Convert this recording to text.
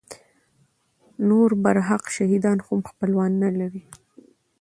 نور برحق شهیدان هم خپلوان نه لري.